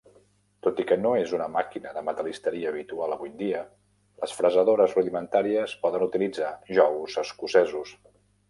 Tot i que no és una màquina de metal·listeria habitual avui en dia, les fresadores rudimentàries poden utilitzar jous escocesos.